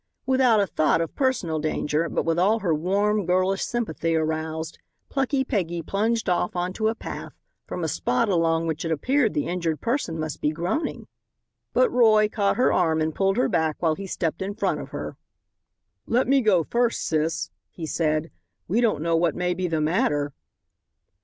Without a thought of personal danger, but with all her warm girlish sympathy aroused, plucky Peggy plunged off on to a path, from a spot along which it appeared the injured person must be groaning. But Roy caught her arm and pulled her back while he stepped in front of her. "Let me go first, sis," he said; "we don't know what may be the matter."